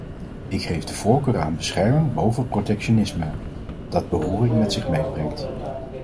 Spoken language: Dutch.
Ik geef de voorkeur aan bescherming boven protectionisme, dat beroering met zich meebrengt.